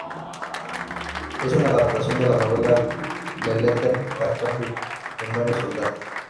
Es una adaptación de la novela "Le lettere da Capri" de Mario Soldati.